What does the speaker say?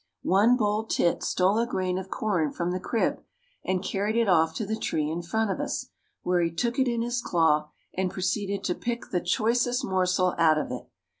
One bold "tit" stole a grain of corn from the crib and carried it off to the tree in front of us, where he took it in his claw, and proceeded to pick the choicest morsel out of it.